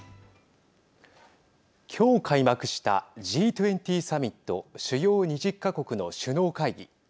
今日開幕したＧ２０サミット＝主要２０か国の首脳会議。